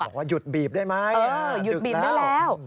อ๋อหยุดบีบได้ไหมอื้อหยุดบีบด้วยแล้วอื้อดึกแล้ว